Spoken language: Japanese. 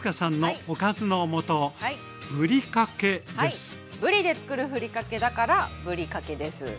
さあ続いてはぶりで作るふりかけだからぶりかけです。